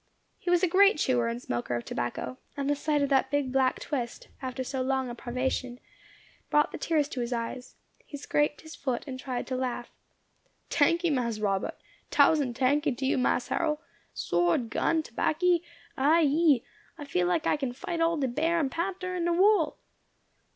He was a great chewer and smoker of tobacco, and the sight of that big black twist, after so long a privation, brought the tears to his eyes. He scraped his foot, and tried to laugh. "Tankee, Mas Robbut! Tousand tankee to you, Mas Harrol! Sword, gun, tobacky! I ee! I feel like I kin fight all de bear and panter in de wull!"